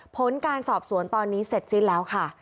ผลการสอบสวนตอนนี้เสร็จสิ้นแล้วค่ะ